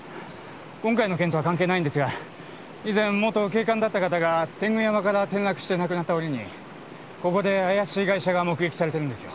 今回の件とは関係ないんですが以前元警官だった方が天狗山から転落して亡くなった折にここで怪しい外車が目撃されてるんですよ。